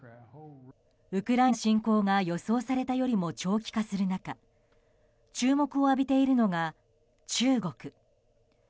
ウクライナ侵攻が予想されたよりも長期化する中注目を浴びているのが中国。